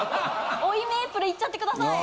追いメープルいっちゃって下さい！